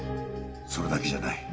それだけじゃない。